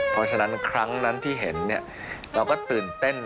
เพราะฉะนั้นครั้งนั้นที่เห็นเราก็ตื่นเต้น